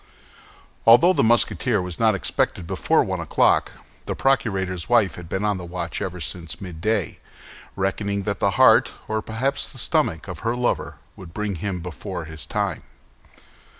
Although the Musketeer was not expected before one o'clock, the procurator's wife had been on the watch ever since midday, reckoning that the heart, or perhaps the stomach, of her lover would bring him before his time.